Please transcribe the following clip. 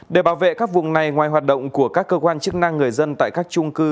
để bảo vệ các vùng này ngoài hoạt động của các cơ quan chức năng người dân tại các trung cư